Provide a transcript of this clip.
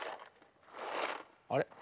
あれ？